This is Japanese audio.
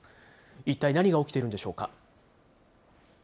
一体何が起きているんでしょうか。